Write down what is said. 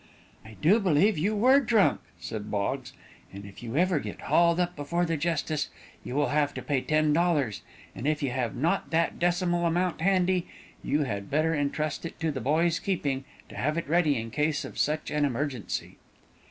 "I do believe you were drunk," said Boggs, "and if you ever get hauled up before the justice you will have to pay ten dollars, and if you have not that decimal amount handy, you had better entrust it to the boy's keeping, to have it ready in case of such an emergency."